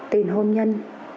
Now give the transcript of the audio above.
tiền hôn nhân